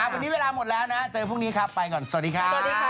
วันนี้เวลาหมดแล้วนะเจอพรุ่งนี้ครับไปก่อนสวัสดีครับ